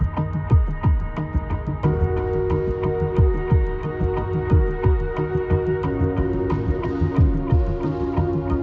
นอนให้ประตูใจไปเลยไม่เป็นไรพี่รอได้พี่ว่างเนาะ